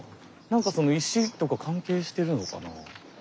何かその石とか関係してるのかな？